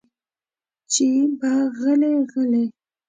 چې به غلې غلې غلې